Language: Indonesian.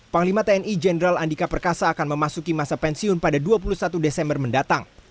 panglima tni jenderal andika perkasa akan memasuki masa pensiun pada dua puluh satu desember mendatang